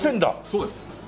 そうです。